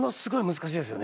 難しいです。